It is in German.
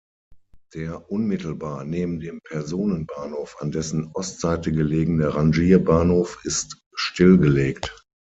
Der unmittelbar neben dem Personenbahnhof an dessen Ostseite gelegene Rangierbahnhof ist stillgelegt.